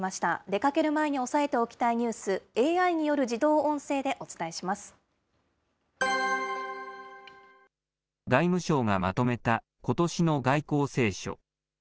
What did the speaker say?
出かける前に押さえておきたいニュース、ＡＩによる自動音声でお外務省がまとめた、ことしの外交青書。